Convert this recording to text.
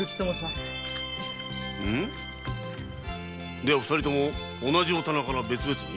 では二人とも同じお店から別々に？